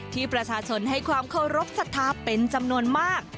ที่ประชาชนให้ความเคารพสัทธาเป็นจำนวนมาก